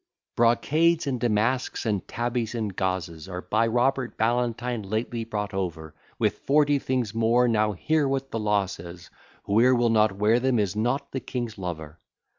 Brocades, and damasks, and tabbies, and gauzes, Are, by Robert Ballantine, lately brought over, With forty things more: now hear what the law says, Whoe'er will not wear them is not the king's lover.